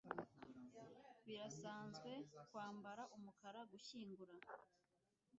Birasanzwe kwambara umukara gushyingura.